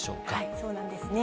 そうなんですね。